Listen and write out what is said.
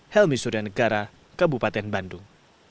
helmi sudanegara kabupaten bandung